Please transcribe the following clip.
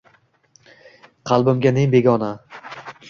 Qalbimga ne begona